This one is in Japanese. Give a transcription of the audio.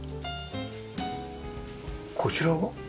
こちらは？